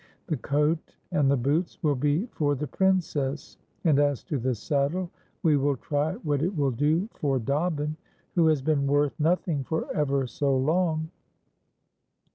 The coat and the boots will be for the Princess, and as to the saddle, we will try what it will do for Dobbin, who has been worth nothing for ever so long."